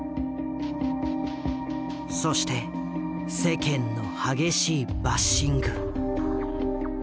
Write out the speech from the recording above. そして世間の激しいバッシング。